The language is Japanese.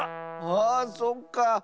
あそっかあ。